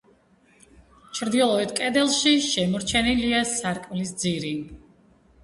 ჩრდილოეთ კედელში შემორჩენილია სარკმლის ძირი.